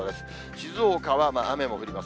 静岡は雨も降ります。